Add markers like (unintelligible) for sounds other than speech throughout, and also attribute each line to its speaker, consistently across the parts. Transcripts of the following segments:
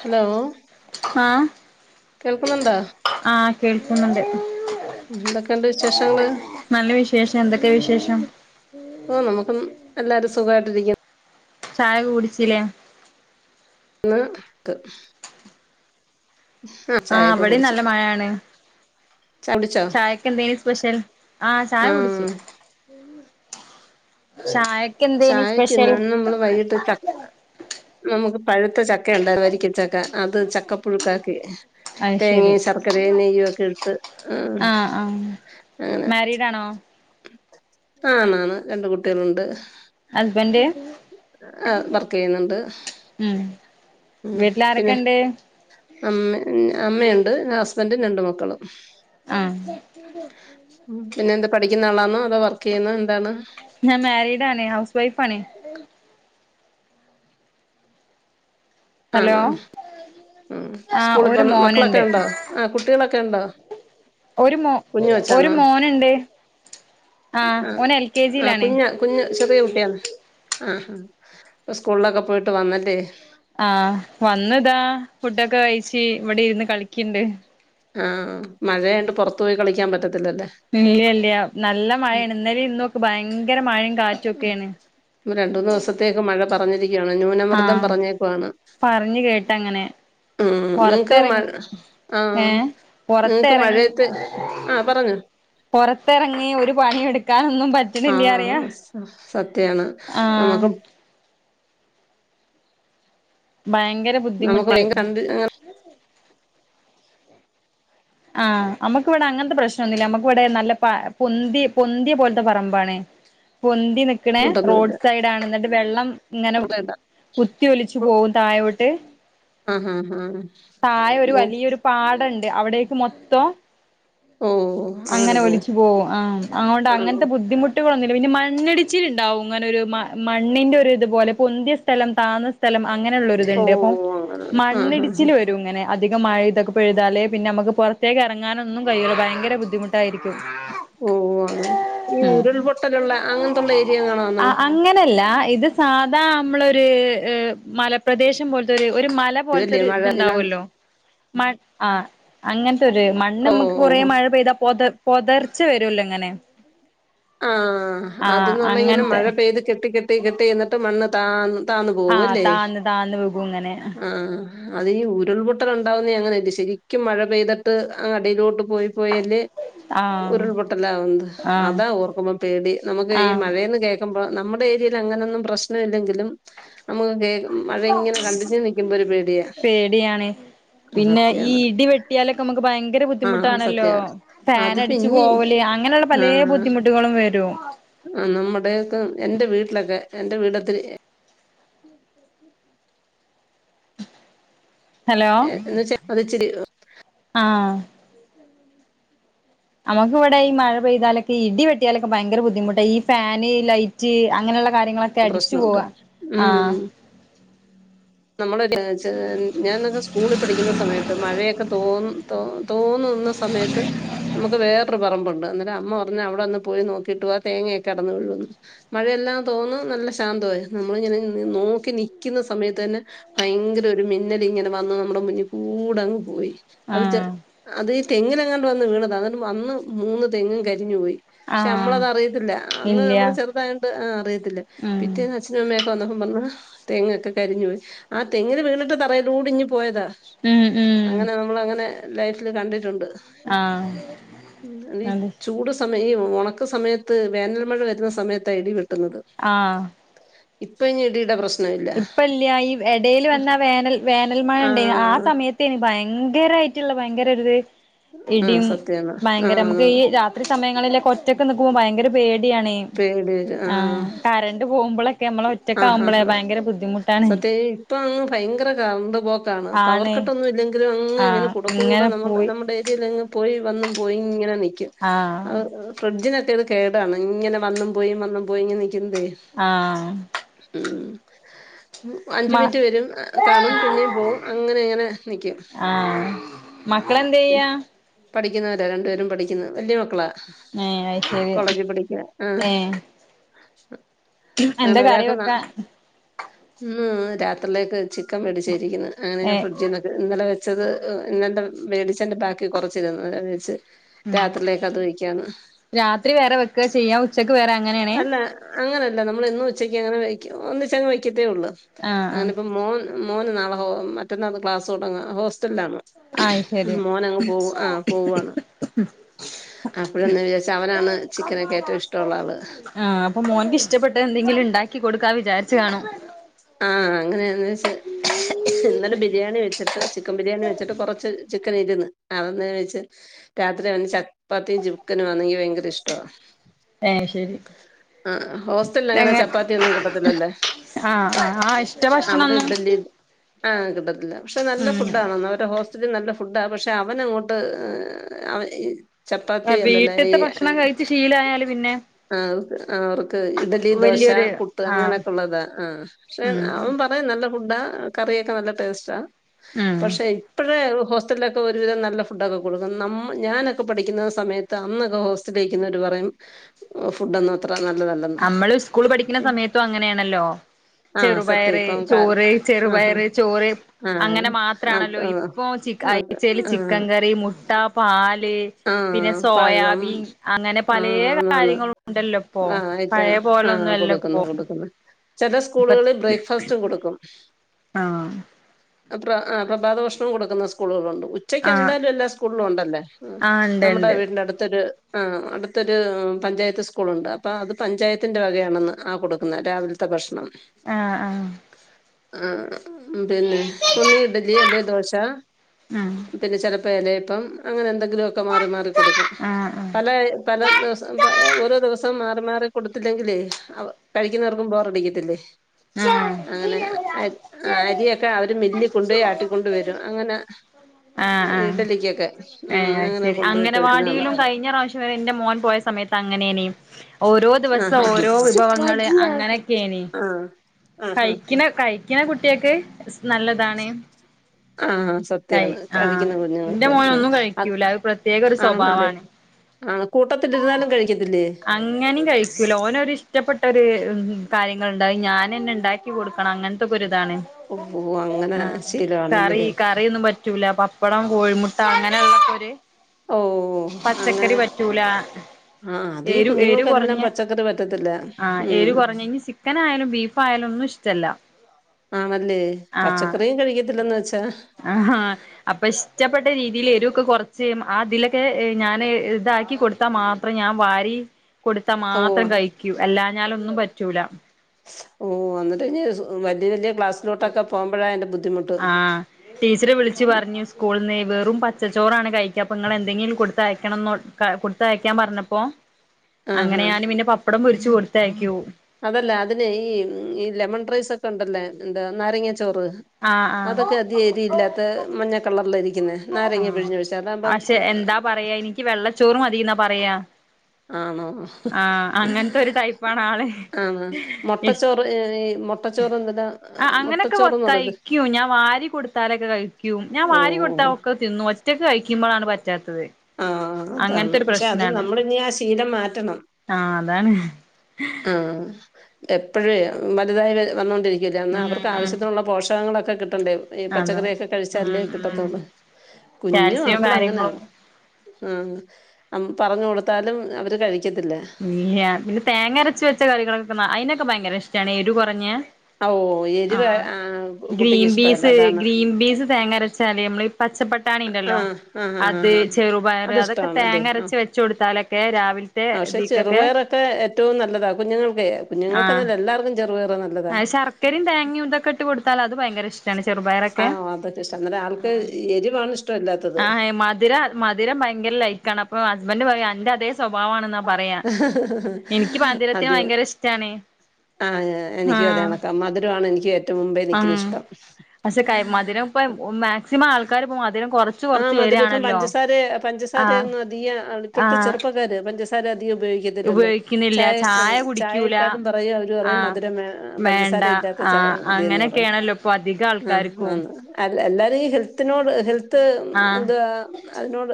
Speaker 1: Hello
Speaker 2: ആഹ്
Speaker 1: കേൾക്കുന്നുണ്ടോ
Speaker 2: ആഹ് കേൾക്കുന്നുണ്ട്
Speaker 1: എന്തൊക്കെയുണ്ട് വിശേഷങ്ങള്
Speaker 2: നല്ല വിശേഷം എന്തൊക്കെയ വിശേഷം
Speaker 1: ഓ നമുക്ക് എല്ലാരും സുഖായിട്ടിരിക്കും
Speaker 2: ചായ ക്കെ കുടിച്ചില്ലേ
Speaker 1: (unintelligible) ന്ന് ക്ക്
Speaker 2: ആഹഇ വിടെയും
Speaker 1: കുടിച്ച്
Speaker 2: നല്ല മഴയാണ്
Speaker 1: ചായ കുടിച്ചോ
Speaker 2: ചായക്ക് എന്തേന് സ്പെഷ്യൽ ആഹ ചായ
Speaker 1: ആ
Speaker 2: കുടിച്ചു ചാ യയായ്
Speaker 1: ചായക്ക് ഇന്ന് നമ്മള് വൈകിട്ട് നമുക്ക്ച നമുക്ക് പഴുത്ത ചക്ക ഉണ്ടായിരുന്നു വരിക്ക ചക്ക അത് ചക്ക പുഴുക്കാക്കി
Speaker 2: അത് ശരി
Speaker 1: തേങ്ങയും ശർക്കര നെയ്യ ക്കെ ഇട്ടു ആ
Speaker 2: മരീ ഡ് ആണോ
Speaker 1: ആ ന്നാ ണ് രണ്ട് കുട്ടികളുണ്ട്
Speaker 2: ഹസ്ബൻഡ്
Speaker 1: ആ വർക്ക് ചെയ്യുന്നുണ്ട്
Speaker 2: ഉം
Speaker 1: മ്മ്
Speaker 2: വീട്ടിൽ ആരൊക്കെ
Speaker 1: പിന്നെ
Speaker 2: ഉണ്ട്
Speaker 1: അമ്മ അമ്മയുണ്ട് ഹസ്ബൻഡും രണ്ട് മക്കളും
Speaker 2: ആഹ
Speaker 1: പിന്നെ എന്ത് പഠിക്കുന്ന ആളാണോ അതോ വർക്ക് ചെയ്യുന്നോ എന്താണ്
Speaker 2: ഞാൻ മാരീഡ് ആണ് ഹൗസ് വൈഫ് ആണ് ഹലോ
Speaker 1: ആണോ ഉ
Speaker 2: ആഹ് ഒരു
Speaker 1: സ്കൂളിപ്പൊ
Speaker 2: മോനുണ്ട്
Speaker 1: മക്കളൊക്കെ ഉണ്ടോ ആ കുട്ടികളൊക്കെ ഉണ്ടോ
Speaker 2: ഒരു മോ
Speaker 1: കുഞ്ഞു
Speaker 2: ഒരു
Speaker 1: കൊച്ചാന്നോ
Speaker 2: മോനുണ്ട് ആഹ്
Speaker 1: ആ
Speaker 2: ഓന എൽ കെ
Speaker 1: ആ
Speaker 2: ജിയിലാണ്
Speaker 1: കുഞ്ഞ കുഞ്ഞ് ചെറിയ കുട്ടിയാണ് ആ സ്കൂളിലൊക്കെ പോയിട്ട് വന്നല്ലേ
Speaker 2: ആഹ വന്നതാ ഫുഡൊക്കെ കഴി ച്ച് ഇവിടെ ഇരുന്ന് കളിക്കണ്ട്
Speaker 1: ആഹ മഴയണ്ട് പുറത്ത് പോയി കളിക്കാൻ പറ്റത്തി
Speaker 2: ഇല്ലല്ല നല്ല
Speaker 1: ഉം
Speaker 2: മഴാണ് ഇന്നല ഇന്നൊക്കെ ഭയങ്കര മഴ
Speaker 1: രണ്ട് മൂന്ന് ദിവസത്തേക്ക് മഴ പറഞ്ഞിരിക്കും പറഞ്ഞേ ക്കേണ് ന്യൂനമർദ്ദം
Speaker 2: ആഹ്
Speaker 1: പറഞ്ഞേക്കാണ്
Speaker 2: പറഞ്ഞ് കേട്ടങ്ങനെ
Speaker 1: ഉ നിങ്ങക്ക് മഴ
Speaker 2: പൊറത്തെറങ്ങി
Speaker 1: ആ്
Speaker 2: ഏഹ്
Speaker 1: നിങ്ങക്ക്
Speaker 2: പൊറത്തെറങ്ങി
Speaker 1: മഴയത്ത് ആ പറഞ്ഞോ
Speaker 2: പുറത്തിറങ്ങി ഒരു പണിയ എടുക്ക ക്കാനൊന്നും
Speaker 1: ആ
Speaker 2: പറ്റണില്ല അറിയാ
Speaker 1: സ സത്യാണ്
Speaker 2: ആഹ
Speaker 1: നമുക്ക്
Speaker 2: ഭയങ്കര
Speaker 1: നമുക്ക്
Speaker 2: ബുദ്ധിമുട്ട്
Speaker 1: ഭയങ്കര കണ്ട്
Speaker 2: ആഹ് നമ്മക്കിവിടെ അങ്ങനത്തെ പ്രശ്നൊന്നുല്ല നമ്മക്ക് ഇവിടെ നല്ല പ പൊന്തി പൊന്ത്യേ പോലത്തെ പറമ്പാണ് പൊന്തി ന്തി നിക്ക്ണെ
Speaker 1: ബുദ്ധിമുട്ടൊന്നുമില്ല
Speaker 2: റോഡ് സൈഡാണ് ന്ന്ട്ട് വെള്ളം ഇങ്ങനെ കുത്തി ഒലിച്ച് പോകും താഴോ ട്ട്
Speaker 1: ആ ഹാ ഹാ
Speaker 2: തായൊര് വലിയൊര് പാടണ്ട് അവിടേക്ക് മൊത്തം
Speaker 1: ഓ
Speaker 2: അങ്ങനെ ഒലി ച്ചു പോകും ആഹ് അങ്ങൊണ്ട്
Speaker 1: ആ
Speaker 2: അങ്ങനത്തെ ബുദ്ധിമുട്ടുകളൊന്നു പിന്നെ മണ്ണിടിച്ചില്ണ്ടാവും. ങ്ങനൊരു മണ്ണിന്റെ ഒര് ഇതുപോലെ പൊന്ത്യെ സ്ഥലം താന്ന സ്ഥലം അങ്ങനെള്ളൊരിത്ണ്ട്, അപ്പൊ
Speaker 1: ഓഹ് അങ്ങനെ ആഹ് ആഹ്
Speaker 2: മണ്ണിടിച്ചില്
Speaker 1: ആഹ്
Speaker 2: വെരും ഇങ്ങനെ അധികം മഴ ഇതൊക്കെ പെയ്താല് പിന്നെ മ്മക്ക് പൊറത്തേക്ക് എറങ്ങാനൊന്നും കഴിയൂല ഭയങ്കര ബുദ്ധിമുട്ടാരിക്കും.
Speaker 1: ഓ അങ്ങനെ, ഈ ഉരുൾപൊട്ടലുള്ള അങ്ങൻത്തുള്ള ഏരിയെകളാന്നോ
Speaker 2: അങ്ങനല്ല ഇത് സാധാ അമ്മളൊര് ഹ് മലപ്രദേശം പോലത്തൊര് ഒര് മല
Speaker 1: ഇതുവല്ലേ
Speaker 2: പോലത്തൊര്
Speaker 1: മഴ ഇങ്ങനെ
Speaker 2: ത്ണ്ടാവൊല്ലോ മൺ ആഹ് അങ്ങൻ ത്തൊര്
Speaker 1: ഓഹ്
Speaker 2: മണ്ണ്മ്മക്ക്
Speaker 1: ഓഹ്
Speaker 2: കൊറേ
Speaker 1: ഓഹ്
Speaker 2: മഴ പെയ്താ പൊത പൊതർച്ച വരോല്ലോങ്ങനെ
Speaker 1: ആഹ് അത് ന്ന് പറഞ്ഞങ്ങനെ
Speaker 2: അങ്ങനത്തെ
Speaker 1: മഴ പെയ്ത് കെട്ടി കെട്ടി കെട്ടിന്ന്ട്ട് മണ്ണ് താന്ന് താന്ന്
Speaker 2: ആ
Speaker 1: പോവോല്ലേ
Speaker 2: താന്ന് താന്ന് വികും ഇങ്ങനെ
Speaker 1: ആഅതീ ഉരുൾ പൊട്ട് ട്ടൽ ഉണ്ടാവുന്നെ അങ്ങനെയല്ലേ, ശെരിക്കും മഴ പെയ്തിട്ട് അങ്ങടീലോട്ട് പോയി പോയല്ലേ
Speaker 2: ആ
Speaker 1: ഉരുൾപൊട്ടലാവുന്നത്
Speaker 2: ആ
Speaker 1: അതാ ഓർ ക്കുമ്പ പേടി നമ്മക്ക്
Speaker 2: ആ
Speaker 1: ഈ മഴേന്ന് കേൾക്കുമ്പോ, നമ്മടെ ഏരീൽ അങ്ങനെന്നും പ്രശ്ന ഇല്ലെങ്കിലും നമുക്ക് കേ മഴ ഇങ്ങനെ കണ്ടിന്യൂ നിക്കുമ്പോ ഒരു പേടിയാ
Speaker 2: പേടിയാണ് പിന്നെ ഈ
Speaker 1: സത്യാണ്.
Speaker 2: ഇടി വെട്ടിയാലക്കെ മ്മക്ക് ഭയങ്കര
Speaker 1: ആഹ്
Speaker 2: ബുദ്ധിമുട്ടാണല്ലോ,
Speaker 1: സത്യാ
Speaker 2: ഫാൻ
Speaker 1: അത്
Speaker 2: അടിച്ചു പോവല് അങ്ങനള്ള പലേ ബുദ്ധിമുട്ടുകള
Speaker 1: ആ നമ്മുടെക്കെ എന്റെ വീട്ട്ലെക്കെ എന്റെ വീടൊത്തിരി
Speaker 2: ഹലോ
Speaker 1: എന്ന് വെച്ചാ അത് ഇച്ചിരി
Speaker 2: ആ നമക്ക് ഇവടെ ഈ മഴ പെയ്താലക്കെ ഇടി വെട്ടിയാലക്കെ ഭയങ്കര ബുദ്ധിമുട്ടാ ഈ ഫാന് ലൈറ്റ് അങ്ങനെള്ള കാര്യങ്ങളൊക്കെ അടിച്ചു
Speaker 1: പ്രശ്നമുണ്ട്
Speaker 2: പോവാ ആ
Speaker 1: നമ്മള് ചെ ഞാനൊക്കെ സ്കൂളിൽ പഠിക്കുന്ന സമയത്ത് മഴയൊക്കെ തോന്ന് തോന്ന് സമയത്ത് അമ്മക്ക് വേറൊരു പറമ്പുണ്ട്. അന്നേരം അമ്മ പറഞ് അവടൊന്ന് പോയി നോക്കീട്ട് വാ തേങ്ങെക്കെ അടന്ന് വീഴുവെന്ന് മഴേ എല്ലാം തോന്നു നല്ല ശാന്തമായിരുന്നു. നമ്മള് ഇങ്ങനെ നോക്കി നിക്ക്ന്ന സമയത്ത് തന്നെ ഭയങ്കര ഒരു മിന്നലിങ്ങനെ വന്ന് നമ്മുടെ മുന്നികൂടങ്ങ് പോയി. അത് തെ
Speaker 2: ആഹ്
Speaker 1: അത് ഈ തെങ്ങിനെങ്ങാണ്ട് വന്ന് വീണതാ. അന്നിട്ട് വന്ന് മൂന്ന് തെങ്ങും കരിഞ്ഞു പോയി. പക്ഷെ
Speaker 2: ആഹ്
Speaker 1: അമ്മളത് അറിയത്തില്ല. അന്ന്
Speaker 2: ഇല്ല
Speaker 1: നമ്മള് ചെറ്തായോണ്ട് ആ അറിയത്തില്ല.
Speaker 2: ഉം
Speaker 1: പിറ്റേന്ന് അച്ഛനും അമ്മയൊക്കെ വന്നപ്പം മ്മളെ തെങ്ങൊക്കെ കരിഞ്ഞു പോയി. ആ തെങ്ങിന് വീണിട്ട് തറയിലൂടിഞ്ഞ് പോയതാ.
Speaker 2: ഉം ഉം
Speaker 1: അങ്ങനെ നമ്മള് അങ്ങനെ ലൈഫില് കണ്ടിട്ടുണ്ട്. (unintelligible)
Speaker 2: ആഹ് അത്
Speaker 1: ഈ ഒണക്ക് സമയത്ത് വേനൽമഴ വര്ന്ന സമയത്താ ഇടിവെ
Speaker 2: ആ
Speaker 1: ഇപ്പ ഞ്ഞിടിടെ പ്രശ്
Speaker 2: ഇപ്പല്ല്യാ. ഈ എടേല് വന്ന വേനൽ വേനൽ മഴണ്ടായ്നു. ആ സമയത്തേന് ഭയങ്കര രായിറ്റ്ള്ള ഭയങ്കരൊര്ത്
Speaker 1: ആ
Speaker 2: ഇടിയും
Speaker 1: സത്യാണ് ആ
Speaker 2: ഭയങ്കര മ്മക്ക് ഈ രാത്രി സമയങ്ങളിലൊക്കെ ഒറ്റ നിക്കുമ്പോ ഭയങ്കര പേട്യണെ
Speaker 1: പേടി വരും
Speaker 2: ആ കറന്റ് പോമ്പളൊക്കെ
Speaker 1: ആ ഹാ
Speaker 2: നമ്മളൊറ്റക്കാവുമ്പളെ
Speaker 1: ഹാ
Speaker 2: ഭയങ്കര ബുദ്ധിമുട്ടാണ്.
Speaker 1: സത്യ ഇ ഇപ്പ അങ്ങ് ഭയങ്കര കരണ്ട് പോക്കാണ്.
Speaker 2: ആണ്
Speaker 1: പവർകട്ടൊന്നുല്ലെങ്കിലും അങ്ങ് ങ്ങനെ
Speaker 2: ആഹ്
Speaker 1: കൂട കൂടെ.
Speaker 2: ഇങ്ങനെ
Speaker 1: മടെ
Speaker 2: പോയി
Speaker 1: നമ്മുടെ ഏര്യേലങ് പോയി വന്നും പോയിങ്ങനെ നിക്കും
Speaker 2: ആഹ്
Speaker 1: അവ് ഫ്രിഡ്ജ്നൊ- ക്കത് കേടാണ് ഇങ്ങനെ വന്നും പോയി വന്നും പോയി ഇങ്ങെനെ നിക്ക്‌ന്നതേ.
Speaker 2: ആഹ്.
Speaker 1: അഞ്ചു
Speaker 2: മ
Speaker 1: മിനിറ്റ് വരും കാണും പിന്നേം പോവും അങ്ങനെ അങ്ങനെ നിക്കും
Speaker 2: മക്കളെന്തീയ്യാ
Speaker 1: പഠിക്ക്‌ന്നവരാ രണ്ടുപേരും പഠിക്ക്‌ന്ന് വല്ല്യേ മക്കളാ
Speaker 2: ഏഹ് അയ്ശരി
Speaker 1: കോളേജ് പഠിക്കാ ആ
Speaker 2: ഏഹ്
Speaker 1: അന
Speaker 2: എന്താ കറി
Speaker 1: ഒരാക്കുന്നാ
Speaker 2: വെക്കാ
Speaker 1: ഉ (unintelligible) (inaudible) രാത്രിയിലേക്ക് ചിക്കൻ മേടിച്ച ഇരിക്ക്ന്നെ അങ്ങനെ ഞാൻ
Speaker 2: ഏഹ്
Speaker 1: ഫ്രിഡ്ജിന്ന് ന്നോക്കെ (unintelligible) ഇന്നലെ വെച്ചത് ഇന്നല്ല മേടിച്ചെന്റെ പാക്ക് കൊറച്ചിരുന്ന് ഞ വച്ച്
Speaker 2: ഉം
Speaker 1: രാത്രിയിലേക്ക് അത് വെക്കാന്ന്
Speaker 2: രാത്രി വേറെ വെക്കെചെയ്യാ ഉച്ചക്ക് വേറെ അങ്ങനേണേ
Speaker 1: നമ്മളെന്നും ഉച്ചക്ക് അങ്ങന വെക്കും ഒന്നിച്ചങ്ങന വെക്കത്തേള്ളൂ
Speaker 2: ആഹ് ആഹ്
Speaker 1: അങ്ങനിപ്പൊ മോൻ മോന് നാളെ മറ്റന്നാൾ ക്ലാസ് തുടങ്ങേണ് ഹോസ്റ്റൽലാണ്
Speaker 2: ആഹ് ശരി
Speaker 1: മോനങ്ങ് പോവ ആ് പോവാണ് അപ്പോഴന്ന് വിചാച്ച അവനാണ് ചിക്കനൊക്കെ ഏറ്റവും ഇഷ്ടുള്ളാള്
Speaker 2: ആഹ് അപ്പൊ മോൻക്ക് ഇഷ്ടപ്പെട്ട എന്തെങ്കിലും ഇണ്ടാക്കി കൊടുക്കാ വിചാരിച്ചു കാണും
Speaker 1: ആഹ അങ്ങനെയന്ന് വെച്ച ഇന്നലെ ബിരിയാണി വെച്ചിട്ട ചിക്കൻ ബിരിയാണി വെച്ചിട്ട് കുറച്ച് ചിക്കനിര്ന്ന് അതന്ന ഞ്ഞ വെച്ച് രാത്രി അവനെ ചപ്പാത്തീം ചിക്ക മുക്കന് വന്നെങ്കിൽ ഭയങ്കര ഇഷ്ടവാ
Speaker 2: ഏഹ് ശരി
Speaker 1: (unintelligible) ആ ഹോസ്റ്റലിൽ അങ്ങന
Speaker 2: എങ്ങ
Speaker 1: ചപ്പാത്തിയൊന്നും കിട്ടത്തില്ലല്ല
Speaker 2: ആഹ് ആഹ് ആഹ് ഇഷ്ട
Speaker 1: അവിടെ
Speaker 2: ഭക്ഷണൊന്നും
Speaker 1: ഇഡലി ആഹ കിട്ടത്തില്ല പക്ഷെ നല്ല
Speaker 2: ഉം
Speaker 1: ഫുഡ് ആണ് അവരെ ഹോസറ്റ ഒത്തിരി നല്ല ഫുഡാ പക്ഷെ അവനങ്ങോട്ട് അവ (unintelligible)
Speaker 2: ആ
Speaker 1: അല്ലല്ല
Speaker 2: വീട്ടിത്തെ ഭക്ഷണം കഴിച്ച് ശീലായല് പിന്നെ
Speaker 1: ആ ആ അവർക്ക് ഇഡലി ദോശ
Speaker 2: വല്യൊരു
Speaker 1: പുട്ട്
Speaker 2: ആഹ്
Speaker 1: അങ്ങനെയൊക്കെ ഉള്ളതാ ആഹ പക്ഷെ
Speaker 2: ഉം
Speaker 1: അവൻ പറയും നല്ല ഫുഡാ കറിയൊക്കെ നല്ല ടേസ്റ്റാ
Speaker 2: ഉം
Speaker 1: പക്ഷെ ഇപ്പഴേ പ്പോ ഹോസ്റ്റലൊക്കെ ഒരുവിധം നല്ല ഫുഡൊക്കെ കൊടുക്കും നമ്മ ഞാനൊക്കെ പഠിക്കുന്ന സമയത്ത് അന്നൊക്കെ ഹോസ്റ്റലിലേക്കുന്ന ഒരുപാ (unintelligible) (inaudible) ഫുഡൊന്നത്ര (unintelligible)
Speaker 2: അമ്മള് ഉസ്കൂൾ പഠിക്കണ സമയത്തും അങ്ങനെയാണല്ലോ
Speaker 1: ആഹ് സത്യം
Speaker 2: ചെറുപയറ്
Speaker 1: ഇപ്പം കാ
Speaker 2: ചോറ്
Speaker 1: ആഹാ
Speaker 2: ചെറുപയറ് ചോറ്
Speaker 1: ആഹ്
Speaker 2: അങ്ങനെ
Speaker 1: അത്
Speaker 2: മാത്രാണല്ലോ ഇപ്പോ ചിക
Speaker 1: അത്
Speaker 2: ഇച്ചയലി ചിക്കൻക്കറി മുട്ട പാ
Speaker 1: ആഹ പഴം
Speaker 2: അങ്ങനെ പലേ
Speaker 1: ആഹ ആണാണ്
Speaker 2: കാര്യങ്ങളും ഉണ്ടല്ലോ ഇപ്പോ
Speaker 1: ആയിട്ടാ
Speaker 2: പഴയ
Speaker 1: ആഹ
Speaker 2: പോലൊന്നും അല്ല ഇപ്പൊ
Speaker 1: കൊടുക്കുന്നു കൊടുക്കുന്നു ചെല സ്കൂളുകളിൽ ബ്രേക്ക്ഫാസ്റ്റും കൊടുക്കും
Speaker 2: ആഹ
Speaker 1: പ്രഭാത ഭകഷ്ണം കൊടുക്കുന്ന സ്കൂളുകളുണ്ട് ഉച്ചയ്ക്ക്
Speaker 2: ആഹ്
Speaker 1: എന്തായാലും എല്ലാ സ്കൂള്ളും ഉണ്ടല്ല
Speaker 2: ആഹ് ഉണ്ട്
Speaker 1: നമ്മുടെ
Speaker 2: ഉണ്ട്
Speaker 1: വീടിന്റെ അടുത്തൊ ആ അടുത്തൊരു പഞ്ചായത്ത് സ്കൂൾ ഉണ്ട് അപ്പ ആ പഞ്ചായത്തിന്റെ വകയാണെന്ന് ആ കൊടുക്കുന്നെ രാവിൽത്തെ ഭഷ്ണം
Speaker 2: ആഹ ആഹ
Speaker 1: ആ പിന്നെ ഒന്ന് ഇഡ്ലി അല്ലെ ദോശ പിന്നെ പ്പ എലേപ്പം അങ്ങന എന്തെങ്കിലുമൊക്കെ മാറി മാറി കൊടുക്കും
Speaker 2: ആഹ് ആഹ്
Speaker 1: പല പല ദിവസം ഓരോ ദിവസം മാറി മാറി കൊടുത്തില്ലെങ്കിലേ കഴിക്കുന്നവർക്കും ബോറടിക്കത്തില്ലേ
Speaker 2: ആം (unintelligible) (inaudible)
Speaker 1: അങ്ങനെ അ അരിയൊക്കെ അവര് മില്ലിക്കൊണ്ട് ആട്ടിക്കൊണ്ട് വരും അങ്ങനെ ഇഡലിക്കെക്കെ
Speaker 2: ഏ ശരി അംഗനവാടിയിലും കഴിഞ്ഞ പ്രാശം ന്റെ മോൻ പോയ സമയത്ത് അങ്ങനെനെ ഓരോ ദിവസം
Speaker 1: ആഹ്
Speaker 2: ഓരോ വിഭവങ്ങള് അങ്ങനെക്കെയേനി
Speaker 1: ആഹ് ആഹ് ആഹ്
Speaker 2: കഴിക്ക്ണ കഴിക്ക്ണ കുട്ടിയക്ക് നല്ലതാണ്
Speaker 1: ആഹ്
Speaker 2: കൈ
Speaker 1: സത്യാണ്
Speaker 2: ആഹ
Speaker 1: കഴിക്കുന്ന
Speaker 2: എന്റെ
Speaker 1: കുഞ്ഞുങ്ങൾക്ക് ആഹ്
Speaker 2: മോനൊന്നും
Speaker 1: അത്
Speaker 2: കഴിക്കൂല അഹ് പ്രത്യേക ഒരു
Speaker 1: ആണല്ലേ
Speaker 2: സ്വഭാവാണ്
Speaker 1: ആഹ് കൂട്ടത്തിലിരുന്നാലും കഴിക്കത്തില്ലേ
Speaker 2: അങ്ങന്നിം കഴിക്കൂല ഓനൊരിഷ് ഇഷ്ടപ്പെട്ട ഒരു കാര്യങ്ങൾ ഉണ്ട് അഹ് ഞാനെന്നെ ഇണ്ടാക്കി കൊടുക്കണം അങ്ങനതൊക്കെ രി
Speaker 1: ഓഹ് അങ്ങനെ
Speaker 2: (unintelligible) കറി
Speaker 1: ശീലമാണല്ലേ
Speaker 2: കറിഒന്നും പറ്റൂല പപ് പപ്പടം കോഴിമുട്ട അങ്ങനെയള്ളക്ക (unintelligible) ഒരു
Speaker 1: ഓഹ് അങ്ങനെ
Speaker 2: പച്ചക്കറി പറ്റൂല
Speaker 1: ആഹ് അത് ഈ
Speaker 2: എരു എരു
Speaker 1: കുഞ്ഞുങ്ങൾക്കെല്ലാം
Speaker 2: കൊറഞ്ഞെ
Speaker 1: പച്ചക്കറി പറ്റത്തില്ല
Speaker 2: ആ
Speaker 1: ഉം
Speaker 2: എരു കൊറഞ്ഞ (unintelligible) ചിക്കനായാലും ബീഫ് പായലൊന്നും ഇഷ്ടല്ല
Speaker 1: ആണല്ലേ
Speaker 2: ആ
Speaker 1: പച്ചക്കറിയും കഴിക്കത്തില്ലെന്ന് വെച്ചാ
Speaker 2: ആഹാ (unintelligible) അപ്പൊ (unintelligible) ഇഷ്ടപ്പെട്ട രീതിയിൽ എരുവൊക്ക കൊറച്ച് ആതിലൊക്കെ ഞാന് താക്കി കൊടുത്താൽ മാത്രം ഞാൻ വാരി കൊടുത്താ മാത്രം
Speaker 1: ഓഹ്
Speaker 2: കഴിക്കൂ, അല്ലാഞ്ഞാലൊന്നും പറ്റൂല
Speaker 1: ഓ വന്നിട്ട് കഴിഞ്ഞ വലിയ വല്യ
Speaker 2: ആഹ് ടീച്ചറ് വിളിച്ചു പറഞ്ഞു സ്കൂളന്ന് വെറും പച്ചോറാണ് കഴിക്കാ, അപ്പൊങ്ങളെന്തെങ്കിൽ കൊടുത്ത അയക്കണം ന്നൊക്ക കൊടുത്തയക്കാൻ പറഞ്ഞപ്പോ
Speaker 1: ആഹ്
Speaker 2: അങ്ങനെ ഞാന് പിന്നെ പപ്പടം പൊരിച്ച് കൊടുത്തയക്യു
Speaker 1: അതല്ലേ അതിന് ഈ ഈ ലെമൺ റൈസ് ഒക്കെണ്ടല്ലേ എന്താ നാരങ്ങ ചോറ്,
Speaker 2: ആഹ് ആഹ്
Speaker 1: അതൊക്കെ അധിക എരി ഇല്ലാത്ത മഞ്ഞ കളറിൽ ഇരിക്കുന്നേ നാരങ്ങ
Speaker 2: ആഹ്
Speaker 1: പിഴിഞ് ഒഴിച്ച അതാകുമ്പ
Speaker 2: പക്ഷെ എന്താ പറയാ എനിക്ക് വെള്ളച്ചോറ് മതിന്നാ പറയാ
Speaker 1: ആണോ
Speaker 2: ആഹ് അങ്ങനത്തെ ഒരു ടൈപ്പാണ് ആള്
Speaker 1: ആ മുട്ടച്ചോറ് മൊട്ടച്ചോറ് എന്തതാ
Speaker 2: ആ അങ്ങനെയൊക്കെ കഴിക്കും. ഞാൻ വാരി കൊടുത്താലൊക്കെ കഴിക്കും. ഞാൻ
Speaker 1: ഓ
Speaker 2: വാരി കൊടുത്താലൊക്കെ തിന്നും ഒറ്റൊക്ക് കഴിക്കുമ്പളാണ് പറ്റാത്തത്
Speaker 1: ആ അതാണ്
Speaker 2: അങ്ങൻത്തൊരു
Speaker 1: പക്ഷെ അത്
Speaker 2: പ്രശ്നാണ്.
Speaker 1: നമ്മളിനി ആ ശീലം മാറ്റണം
Speaker 2: ആഹ് അതാണ്
Speaker 1: ആ എപ്പഴേ വലുതായി വന്നോണ്ടിരിക് ക്കല്ലേ അന്നാ
Speaker 2: ഉം
Speaker 1: അവർക്ക്
Speaker 2: ഉം
Speaker 1: ആവശ്യത്തിനുള്ള പോഷങ്ങളൊക്കെ കിട്ടണ്ടേ ഈ
Speaker 2: അതാ
Speaker 1: പച്ചക്കറിയൊക്കെ
Speaker 2: ഉം
Speaker 1: കഴിച്ചാലല്ലേ
Speaker 2: ഉം
Speaker 1: കിട്ടത്തുള്ളൂ. കുഞ്ഞു
Speaker 2: കാൽസ്യവും
Speaker 1: മക്കളങ്ങനെയ
Speaker 2: കാര്യങ്ങളും
Speaker 1: ആഹ അം പറഞ്ഞു കൊടുത്താലും അവര് കഴി
Speaker 2: ല്യ, പിന്നെ തേങ്ങരച്ച് വെച്ച കറികളൊക്കെ ന അയ്നൊക്കെ ഭയങ്കര ഇഷ്ടാണ്. എരു കുറഞ്ഞ
Speaker 1: ഓ
Speaker 2: ആ
Speaker 1: എരിവ് ആഹ് കുട്ടിക്ക്
Speaker 2: ഗ്രീൻ
Speaker 1: ഇഷ്ടല്ല
Speaker 2: പീസ്,
Speaker 1: അതാണ്
Speaker 2: ഗ്രീൻ ബീസ് തേങ്ങരച്ചാല് നമ്മള് പച്ചപ്പട്ടാണി ഉണ്ടല്ലോ
Speaker 1: ആഹ് ആഹ് ആഹ്
Speaker 2: അത്,
Speaker 1: ആഹ് ആഹ്
Speaker 2: ചെറുപയർ, അതൊക്കെ
Speaker 1: അതിഷ്ടാണല്ലേ ആഹ്
Speaker 2: തേങ്ങരച്ച് വെച്ച് കൊടുത്താലൊക്കെ രാവിൽത്തെ
Speaker 1: ആഹ് പക്ഷെ ചെറുപയറൊക്കെ ഏറ്റവും നല്ലതാ, കുഞ്ഞുങ്ങൾക്കെ,
Speaker 2: ആഹ്
Speaker 1: കുഞ്ഞങ്ങൾക്കെന്നല്ല എല്ലാവർക്ക ചെറുപയർ നല്ലതാ
Speaker 2: അത് ശർക്കരയും തേങ്ങയും ഇതൊക്കെ ഇട്ട് കൊടുത്താൽ അത് ഭയങ്കര ഇഷ്ടാണ് ചെറുപയറൊക്കെ
Speaker 1: (unintelligible) അൻക്ക് എരി മാ
Speaker 2: ആഹ മധുരം, മധുരം ഭയങ്കര ലൈക്കാണ്, അപ്പൊ ഹസ്ബൻഡ് പറയ് അന്റെ അതേ സ്വഭാവാണ് ന്നാ പറയാ എനിക്ക് പാന്തിരത്തി ഭയങ്കര ഇഷ്ടാണ്
Speaker 1: എനക്ക് അതേ കണക്കാ മധുരമാണ് എനിക്ക് ഏറ്റവും മുമ്പേ
Speaker 2: അം
Speaker 1: നിക്കുന്ന
Speaker 2: പക്ഷെ കയ്
Speaker 1: ഇഷ്ടം
Speaker 2: മധുരം ഇപ്പ മാക്സിമം ആൾക്കാര്പ്പോ മധുരം കൊറച്ച്
Speaker 1: ആഹ
Speaker 2: കൊറച്ച്
Speaker 1: മധുരം ഇപ്പം
Speaker 2: വരാണല്ലോ
Speaker 1: പഞ്ചസാര
Speaker 2: ആഹ്
Speaker 1: പഞ്ചസാരയൊന്നും അധീകം ഇപ്പോഴത്തെ
Speaker 2: ആഹ്
Speaker 1: ചെറുപ്പക്കാര് പഞ്ചസാര ഉപയോഗിക്കത്തില്ലല്ലേ
Speaker 2: ഉപയോഗിക്കുന്നില്ല
Speaker 1: ചായ ചായ
Speaker 2: കുടിക്കൂല
Speaker 1: ഇട്ടാലും പറയും അവര് പറയും
Speaker 2: ആഹ്
Speaker 1: മധുരം വേ പഞ്ചസാര
Speaker 2: വേണ്ട
Speaker 1: ല്ലാത്ത ചായ
Speaker 2: ആഹ്
Speaker 1: ഇതിന്ന് പറയാ
Speaker 2: അങ്ങനെയൊക്കെയാണല്ലോ ഇപ്പൊ അധികം ആൾക്കാർക്കും
Speaker 1: ആ എല്ലാരും ഈ ഹെൽത്തിനോട് ഹെൽത്ത്
Speaker 2: ആഹ്
Speaker 1: എന്ത അതിനോട്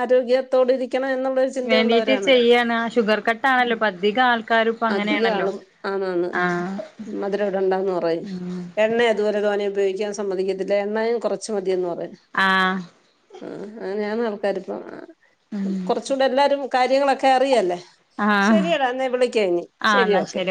Speaker 1: ആരോഗ്യത്തോടരി
Speaker 2: വേണ്ടീട്ട് ചെയ്യാണ്. ആ ഷുഗർ കട്ടാണല്ലോപ്പധിക ആൾ
Speaker 1: അധികാളും ആന്നാന്ന്
Speaker 2: ആഹ്
Speaker 1: മധുരംവിടെണ്ടാന്ന് പറയും
Speaker 2: ഉം
Speaker 1: എണ്ണ അതുപോലെ തോന്നെ ഉപയോഗിക്കാൻ സമ്മതിക്കത്തില്ല എണ്ണയും കുറച്ച് മതിയെന്ന് പറയും.
Speaker 2: ആഹ.
Speaker 1: ആ ഞാൻ ആൾക്കാർപ്പം ആ
Speaker 2: ഉം
Speaker 1: കുറച്ചുകൂടെ എല്ലാവരും കാര്യങ്ങളൊക്കെ അറിയല്ലേ.
Speaker 2: ആഹ്
Speaker 1: ശരിയടാ എന്നാ വിളിക്ക ഇനി ശരി ഓക്കെ.